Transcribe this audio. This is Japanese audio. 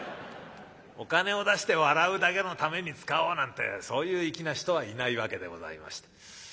お金を出して笑うだけのために使おうなんてそういう粋な人はいないわけでございまして。